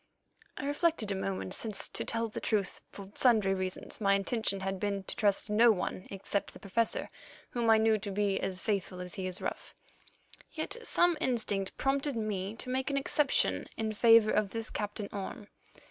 I reflected a moment, since, to tell the truth, for sundry reasons, my intention had been to trust no one except the Professor, whom I knew to be as faithful as he is rough. Yet some instinct prompted me to make an exception in favour of this Captain Orme.